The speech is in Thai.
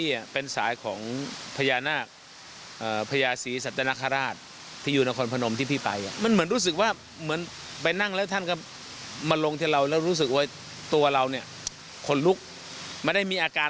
ยกมือเอาด้วยจ้าเจ้าเชื่อเรื่องพญานาคบอร์